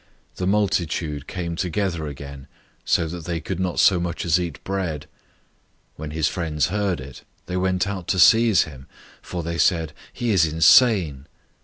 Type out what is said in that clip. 003:020 The multitude came together again, so that they could not so much as eat bread. 003:021 When his friends heard it, they went out to seize him: for they said, "He is insane."